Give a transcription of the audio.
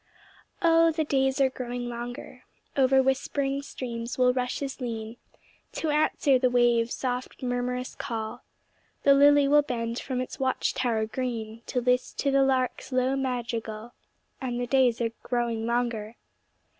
Oh, the days are growing longer; Over whispering streams will rushes lean, To answer the waves' soft murmurous call; The lily will bend from its watch tower green, To list to the lark's low madrigal, And the days are growing longer.